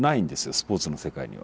スポーツの世界には。